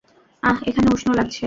আহ, এখানে উষ্ণ লাগছে।